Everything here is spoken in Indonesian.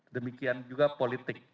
demikian juga politik